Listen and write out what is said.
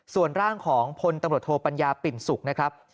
ส่วนร่างของพลตำรวจโทปัญญาปิ่นสุขนะครับ